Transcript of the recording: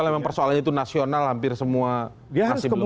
tapi kalau persoalannya itu nasional hampir semua masih belum berhasil